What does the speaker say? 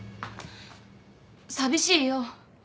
寂しいよ。